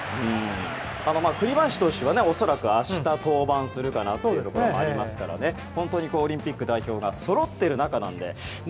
栗林投手は恐らく明日登板するかなというところですから本当にオリンピック代表がそろっている中なので。